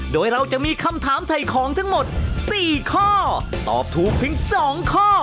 โดยเราจะมีคำถามถ่ายของทั้งหมด๔ข้อตอบถูกเพียง๒ข้อ